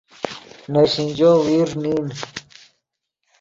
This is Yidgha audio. ترے شینجو ویرݱ نین